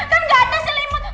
kan nggak ada selimut